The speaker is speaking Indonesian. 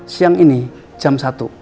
siang ini jam satu